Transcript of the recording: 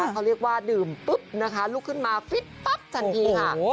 เขาเรียกว่าดื่มปุ๊บนะคะลุกขึ้นมาฟิตปั๊บทันทีค่ะ